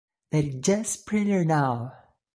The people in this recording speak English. They're just prettier now.